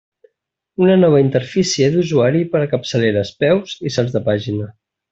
Una nova interfície d'usuari per a capçaleres, peus, i salts de pàgina.